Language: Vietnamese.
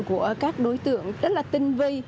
của các đối tượng rất là tinh vi